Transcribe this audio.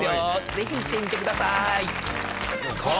ぜひ行ってみてくださーい。